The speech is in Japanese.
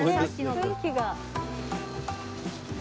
雰囲気が。